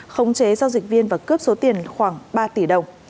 khống chế giao dịch viên và cướp số tiền khoảng ba tỷ đồng